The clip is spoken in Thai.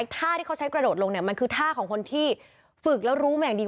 ท่าที่เขาใช้กระโดดลงเนี่ยมันคือท่าของคนที่ฝึกแล้วรู้มาอย่างดี